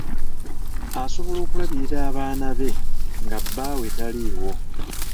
Asobola okulabirira abaana be nga bbaawe taliiwo.